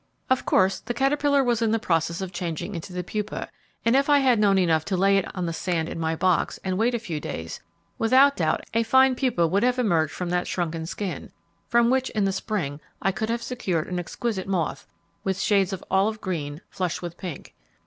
Of course the caterpillar was in the process of changing into the pupa, and if I had known enough to lay it on the sand in my box, and wait a few days, without doubt a fine pupa would have emerged from that shrunken skin, from which, in the spring, I could have secured an exquisite moth, with shades of olive green, flushed with pink.